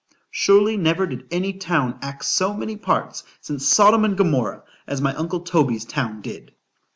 _ ——Surely never did any TOWN act so many parts, since Sodom and Gomorrah, as my uncle Toby's town did.